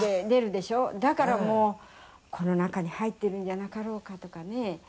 「だからもうこの中に入ってるんじゃなかろうかとかね